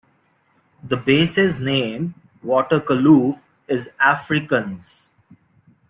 The base's name, "Waterkloof", is Afrikaans.